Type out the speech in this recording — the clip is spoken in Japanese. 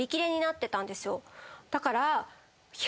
だから。